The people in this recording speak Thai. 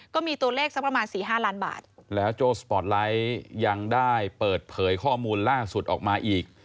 ก็มีตัวเลขสักประมาณสี่ห้าล้านบาทแล้วโจ้สปอร์ตไลท์ยังได้เปิดเผยข้อมูลล่าสุดออกมาอีก